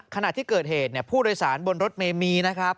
ขณะที่เกิดเหตุผู้โดยสารบนรถเมมีนะครับ